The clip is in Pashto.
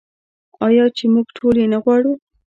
آیا چې موږ ټول یې نه غواړو؟